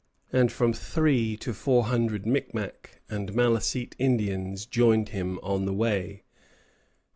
_] and from three to four hundred Micmac and Malecite Indians joined him on the way.